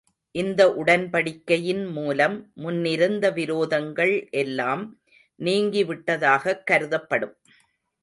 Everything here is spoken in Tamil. இந்த உடன்படிக்கையின் மூலம் முன்னிருந்த விரோதங்கள் எல்லாம் நீங்கிவிட்டதாகக் கருதப்படும்.